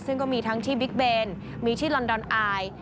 ซึ่งก็มีทั้งที่บิ๊กเบนมีที่ลอนดอนอาย